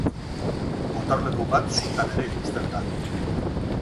Gotorleku bat sutan ere ikusten da.